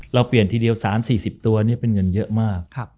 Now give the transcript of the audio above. เราเปลี่ยนทีเดียว๓๔๐ตัวเป็นเงินเยอะมาก